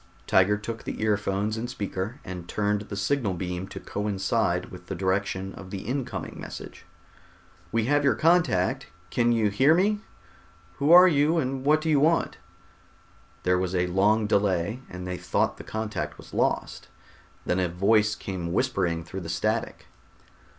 Tiger took the earphones and speaker, and turned the signal beam to coincide with the direction of the incoming message. "We have your contact. Can you hear me? Who are you and what do you want?" There was a long delay and they thought the contact was lost. Then a voice came whispering through the static.